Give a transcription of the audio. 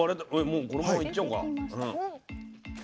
もうこのままいっちゃおうか。